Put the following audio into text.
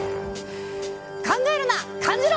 考えるな、感じろ。